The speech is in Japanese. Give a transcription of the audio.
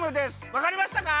わかりましたか？